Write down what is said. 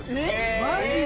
マジで？